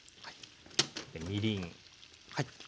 みりん。